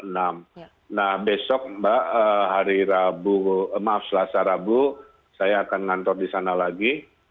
nah besok mbak hari rabu maaf selasa rabu saya akan ngantor di sana lagi